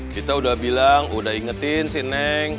kita udah bilang udah ingetin si neng